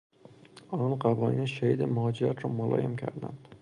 آنان قوانین شدید مهاجرت را ملایم کردند.